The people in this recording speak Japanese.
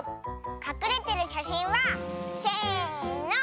かくれてるしゃしんはせの。